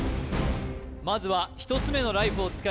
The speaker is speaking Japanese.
まずは１つ目のライフを使い